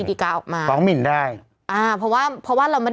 พี่ขับรถไปเจอแบบ